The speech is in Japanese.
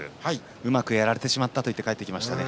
うまくやられてしまったと言って帰ってきました。